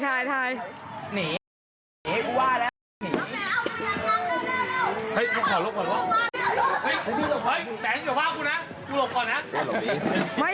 ถ่ายถ่ายถ่าย